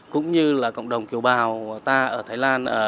cũng như là cộng đồng kiều bào ta ở thái lan